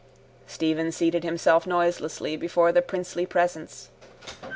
Stephen seated himself noiselessly before the princely presence.